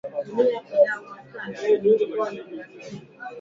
kutoka kwa mnyama aliyeambukizwa hadi kwa yule aliye hatarini kwa kutozingatia usafi